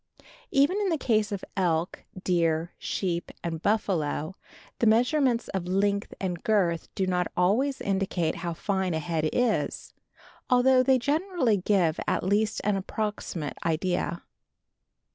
Even in the case of elk, deer, sheep and buffalo the measurements of length and girth do not always indicate how fine a head is, although they generally give at least an approximate idea.